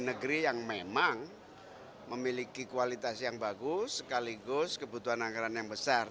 negeri yang memang memiliki kualitas yang bagus sekaligus kebutuhan anggaran yang besar